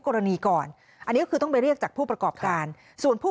กรณีก่อนอันนี้ก็คือต้องไปเรียกจากผู้ประกอบการส่วนผู้